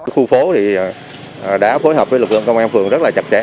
khu phố đã phối hợp với lực lượng công an phường rất chặt chẽ